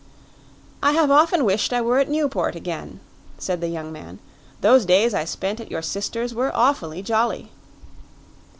"I have often wished I were at Newport again," said the young man. "Those days I spent at your sister's were awfully jolly."